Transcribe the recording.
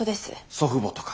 祖父母とか。